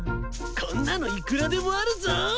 こんなのいくらでもあるぞ！